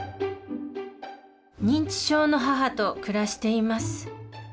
認知症の母と暮らしています。